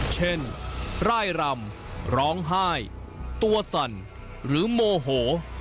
ร่ายรำร้องไห้ตัวสั่นหรือโมโห